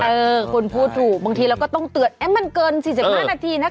เออคุณพูดถูกบางทีเราก็ต้องเตือนมันเกิน๔๕นาทีนะคะ